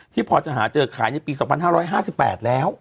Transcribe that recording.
ที่พ่อจันหาเจอขายในปี๒๕๕๘แล้ว